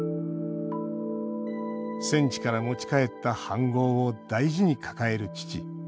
戦地から持ち帰った飯ごうを大事に抱える父。